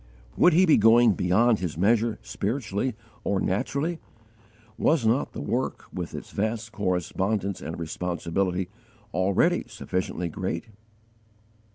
Would he be going 'beyond his measure,' spiritually, or naturally? Was not the work, with its vast correspondence and responsibility, already sufficiently great?